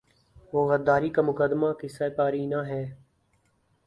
وہ غداری کا مقدمہ قصۂ پارینہ ہے۔